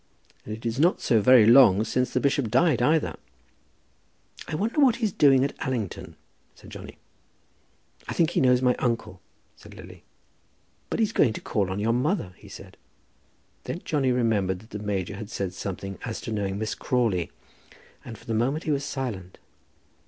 And it is not so very long since the bishop died, either." "I wonder what he's doing at Allington?" said Johnny. "I think he knows my uncle," said Lily. "But he's going to call on your mother," he said. Then Johnny remembered that the major had said something as to knowing Miss Crawley, and for the moment he was silent.